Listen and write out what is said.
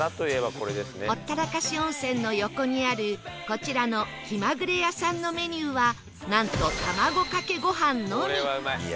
ほったらかし温泉の横にあるこちらの気まぐれ屋さんのメニューはなんと卵かけご飯のみ